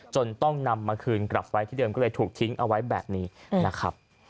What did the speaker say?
จนต้องนำมาคืนกลับไปที่เดิมก็เลยถูกทิ้งเอาไว้แบบนี้นะครับ